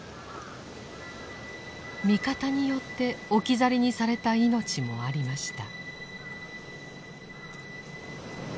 味方によって置き去りにされた命もありました。